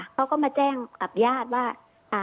เขาก็มาแจ้งกับญาติว่า